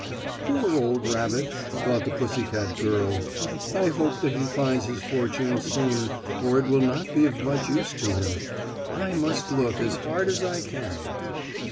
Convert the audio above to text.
"Poor old rabbit," thought the pussy girl. "I hope that he finds his fortune soon, or it will not be of much use to him. I must look as hard as I can."